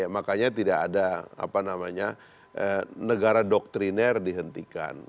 makanya tidak ada apa namanya negara doktriner dihentikan